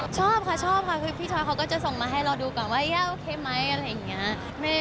ชอบค่ะชอบค่ะคือพี่ชอยเขาก็จะส่งมาให้เราดูก่อนว่าย่าโอเคไหมอะไรอย่างนี้